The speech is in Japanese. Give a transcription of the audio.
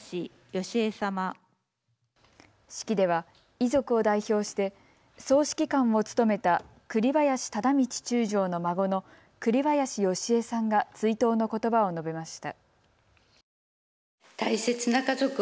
式では遺族を代表して総指揮官を務めた栗林忠道中将の孫の栗林快枝さんが追悼のことばを述べました。